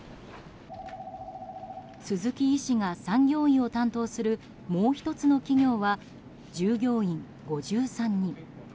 鈴木医師が産業医を担当するもう１つの企業は従業員５３人。